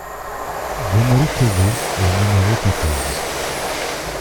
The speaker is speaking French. Venelle Cauvet au numéro quatorze